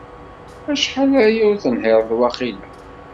Acḥal aya ur tenhireḍ waqila?